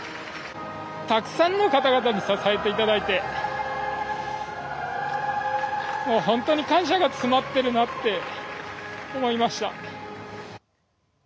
たくさんのかたがたに支えていただいて本当に感謝が詰まっているなって思いました。